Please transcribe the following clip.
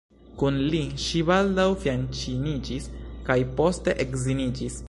Kun li, ŝi baldaŭ fianĉiniĝis kaj poste edziniĝis.